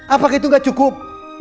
apakah itu gak cukup